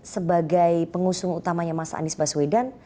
sebagai pengusung utamanya mas anies baswedan